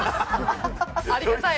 ありがたい。